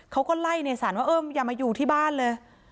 เขาก็ไล่ในสรรว่าเอออย่ามาอยู่ที่บ้านเลย